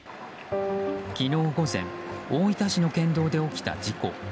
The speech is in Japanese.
昨日午前大分市の県道で起きた事故。